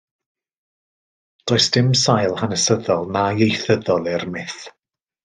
Does dim sail hanesyddol na ieithyddol i'r myth.